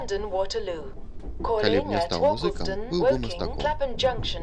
Калі б не стаў музыкам, быў бы мастаком.